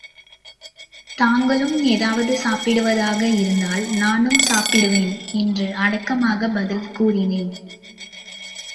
தாங்களும் ஏதாவது சாப்பிடுவதாக இருந்தால் நானும் சாப்பிடுவேன் என்று அடக்கமாகப் பதில் கூறினேன்.